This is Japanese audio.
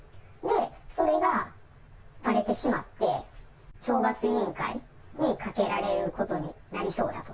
それがばれてしまって、懲罰委員会にかけられることになりそうやと。